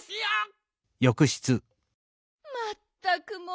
まったくもう！